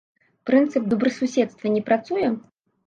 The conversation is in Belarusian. Прынцып добрасуседства не працуе?